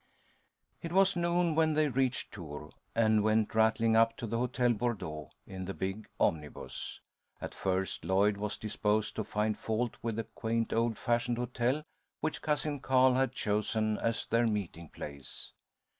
It was noon when they reached Tours, and went rattling up to the Hotel Bordeaux in the big omnibus. At first Lloyd was disposed to find fault with the quaint, old fashioned hotel which Cousin Carl had chosen as their meeting place.